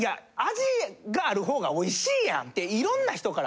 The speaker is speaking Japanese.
味がある方が美味しいやんっていろんな人から。